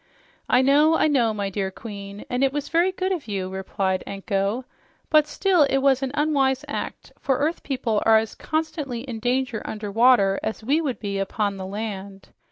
"I know, I know, my dear Queen, and it was very good of you," replied Anko. "But still it was an unwise act, for earth people are as constantly in danger under water as we would be upon the land.